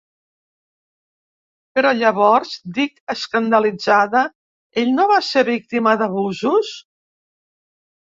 Però llavors —dic, escandalitzada—, ell no va ser víctima d'abusos?